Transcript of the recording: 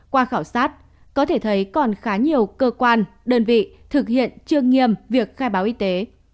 qua khảo sát có thể thấy còn khá nhiều cơ quan đơn vị thực hiện chưa nghiêm việc khai báo y tế